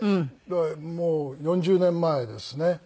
だからもう４０年前ですね。